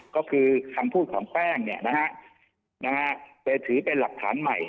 ก็คือคำพูดของแป้งเนี่ยนะฮะไปถือเป็นหลักฐานใหม่